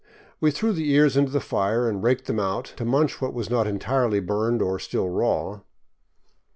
We threw the ears into the fire and raked them out, to munch what was not entirely burned or still raw.